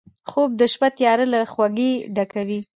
خوب د شپه تیاره له خوږۍ ډکوي